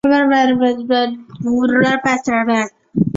美丽老牛筋为石竹科无心菜属的植物。